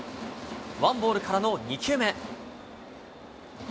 ワンボールからの２球目。